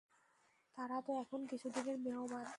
তারা তো এখন কিছুদিনের মেহমান।